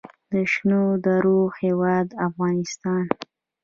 د شنو درو هیواد افغانستان.